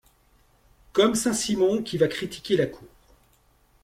Comme Saint-Simon qui va critiquer la cour.